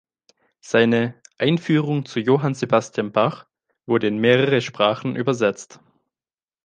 Seine "Einführung zu Johann Sebastian Bach" wurde in mehrere Sprachen übersetzt.